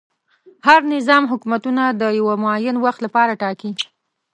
هر نظام حکومتونه د یوه معین وخت لپاره ټاکي.